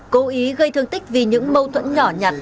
cố ý gây thương tích vì những mâu thuẫn nhỏ nhặt